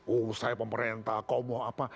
oh saya pemerintah kau mau apa